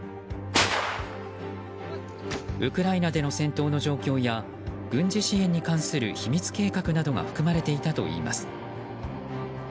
ウクライナでの戦闘の状況や軍事支援に関する秘密計画などが含まれていたといいます。